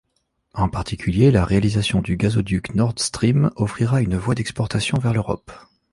En particulier, la réalisation du gazoduc Nord Stream offrira une voie d'exportation vers l'Europe.